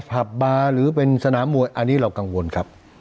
ผับบาร์หรือเป็นสนามมวยอันนี้เรากังวลครับ